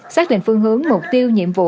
xác định phương hướng mục tiêu nhiệm vụ